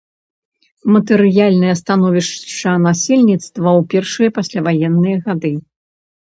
Матэрыяльнае становішча насельніцтва ў першыя пасляваенныя гады.